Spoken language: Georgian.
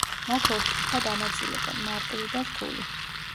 მათ ორ ჯგუფად ანაწილებენ: მარტივი და რთული.